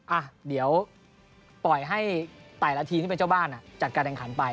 อ่ะเดี๋ยวปล่อยให้แต่ละทีมที่เป็นเจ้าบ้านจัดการแข่งขันไป